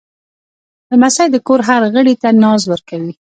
لمسی د کور هر غړي ته ناز ورکوي.